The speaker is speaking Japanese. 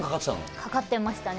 かかってましたね。